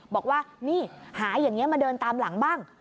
บอกว่านี่หาอย่างนี้มาเดินตามหลังบ้าง